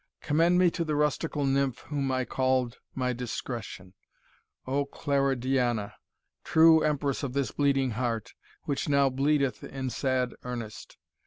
Commend me to the rustical nymph whom I called my Discretion O Claridiana! true empress of this bleeding heart which now bleedeth in sad earnest!